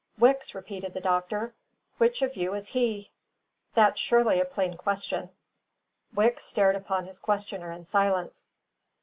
"Wicks," repeated the doctor; "which of you is he? that's surely a plain question." Wicks stared upon his questioner in silence.